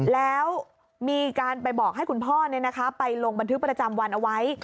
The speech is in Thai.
แล้วมีการไปบอกให้คุณพ่อไปลงบันทึกประจำวันเอาไว้